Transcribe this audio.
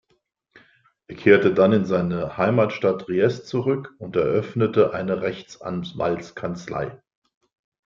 Er kehrte dann in seine Heimatstadt Triest zurück und eröffnete eine Rechtsanwaltskanzlei.